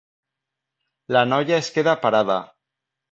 La noia es queda parada.